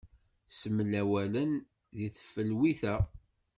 Smel awalen deg teflwit-a.